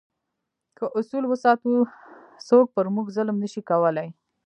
که اصول وساتو، څوک پر موږ ظلم نه شي کولای.